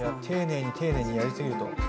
丁寧に丁寧にやり過ぎると。